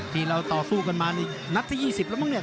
ที่เราสู้กันมาในหน้าที่๒๐แล้วแม่งได้มั้ย